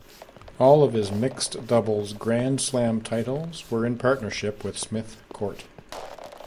All of his mixed doubles Grand Slam titles were in partnership with Smith Court.